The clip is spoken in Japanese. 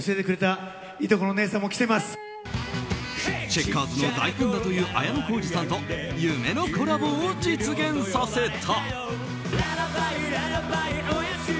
チェッカーズの大ファンだという綾小路さんと夢のコラボを実現させた。